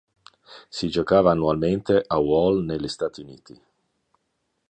Si giocava annualmente a Wall negli Stati Uniti.